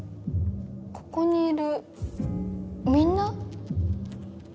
ここにいるみんな？